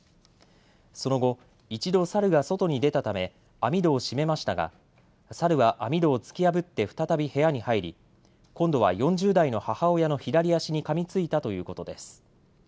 その後、一度サルが外に出たため網戸を閉めましたがサルは網戸を突き破って再び部屋に入り今度は４０代の母親の左足にかみついたということです。